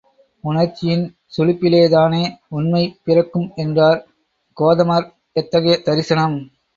உணர்ச்சியின் சுழிப்பிலேதானே உண்மை பிறக்கும் என்றார் கோதமர் எத்தகைய தரிசனம்?